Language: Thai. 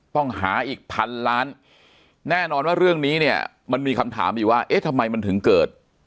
ต้องหาอีกพันล้านแน่นอนว่าเรื่องนี้เนี่ยมันมีคำถามอยู่ว่าเอ๊ะทำไมมันถึงเกิด